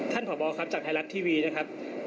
ท่านผ่าบอร์ครับจากไทรัตทีวีนะครับ